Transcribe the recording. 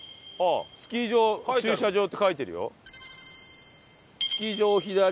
「スキー場駐車場」って書いてるよ。